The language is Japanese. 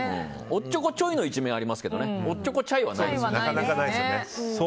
おっちょこちょいの一面はありますけどおっちょこちゃいはないです。